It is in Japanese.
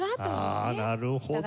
ああなるほど。